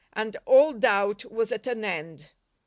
and all doubt was at an end.